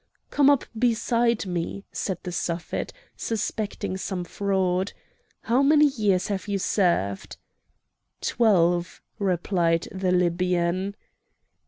"Come up beside me," said the Suffet, suspecting some fraud; "how many years have you served?" "Twelve," replied the Libyan.